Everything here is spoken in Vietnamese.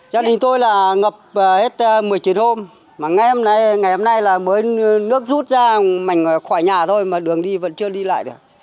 khỏi nhà thôi mà đường đi vẫn chưa đi lại được